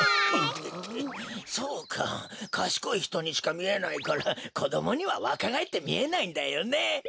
そうかかしこいひとにしかみえないからこどもにはわかがえってみえないんだよね。